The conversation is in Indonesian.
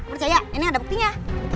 percaya neneng ada buktinya